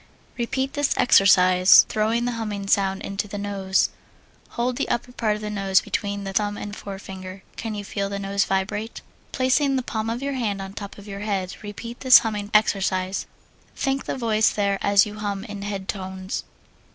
Repeat this exercise, throwing the humming sound into the nose. Hold the upper part of the nose between the thumb and forefinger. Can you feel the nose vibrate? Placing the palm of your hand on top of your head, repeat this humming exercise. Think the voice there as you hum in head tones.